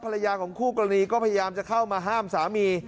ภรรยาของคู่กรณีก็พยายามจะเข้ามาห้ามสามี